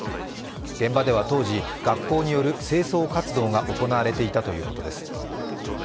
現場では当時、学校による清掃活動が行われていたということです。